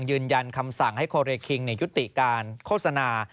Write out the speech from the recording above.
ยืนยันคำสั่งให้โคเรคิงยุติการโฆษณา